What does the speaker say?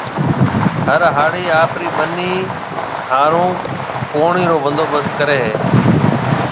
هر هاڙِي آپرِي ٻنِي هاورن پوڻِي رو بندوبست ڪريَ هيَ۔